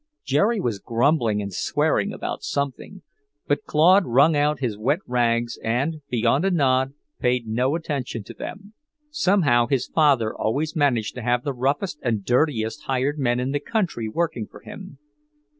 Jerry was grumbling and swearing about something, but Claude wrung out his wet rags and, beyond a nod, paid no attention to them. Somehow his father always managed to have the roughest and dirtiest hired men in the country working for him.